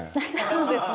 そうですね